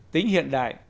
tính hiện đại